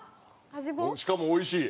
しかも美味しい。